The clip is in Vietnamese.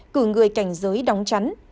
cử người cảnh giới đóng chắn